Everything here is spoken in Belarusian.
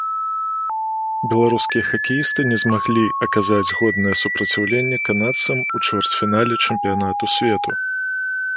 Беларускія хакеісты не змаглі аказаць годнае супраціўленне канадцам у чвэрцьфінале чэмпіянату свету.